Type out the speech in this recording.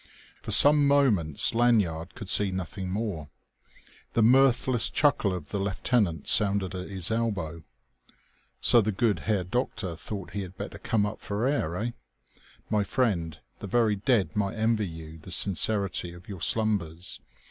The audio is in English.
For some moments Lanyard could see nothing more. The mirthless chuckle of the lieutenant sounded at his elbow. "So the good Herr Doctor thought he had better come up for air, eh? My friend, the very dead might envy you the sincerity of your slumbers.